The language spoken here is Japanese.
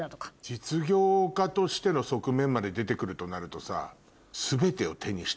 実業家としての側面まで出て来るとなるとさ。よね。